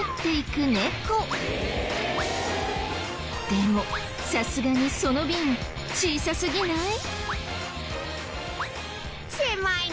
でもさすがにその瓶小さすぎない？